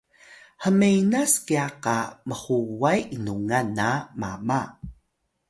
hmenas kya qa mhuway inlungan na mama